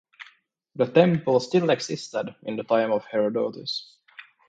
The temple still existed in the time of Herodotus.